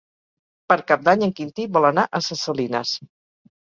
Per Cap d'Any en Quintí vol anar a Ses Salines.